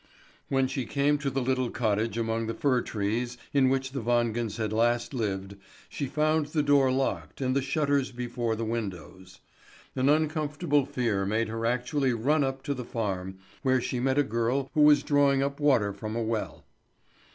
When she came to the little cottage among the fir trees in which the Wangens had last lived, she found the door locked and the shutters before the windows. An uncomfortable fear made her actually run up to the farm, where she met a girl who was drawing up water from a well.